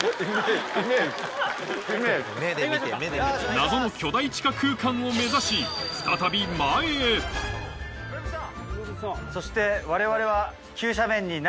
謎の巨大地下空間を目指し再び前へそして我々は。